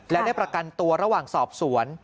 และได้ประกันตัวระหว่างสอบสวน